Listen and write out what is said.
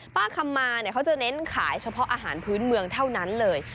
คำมาเขาจะเน้นขายเฉพาะอาหารพื้นเมืองเท่านั้นเลย